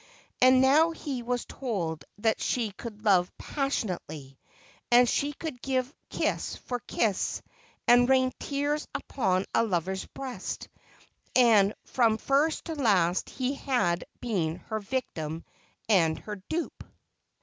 And now he was told that she could love passionately, that she could give kiss for kiss, and rain tears upon a lover's breast, that from first to last he had been her victim and her dupe